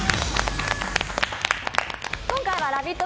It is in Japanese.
今回は「ラヴィット！」